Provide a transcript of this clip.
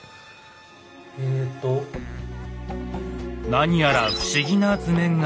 何やら不思議な図面が。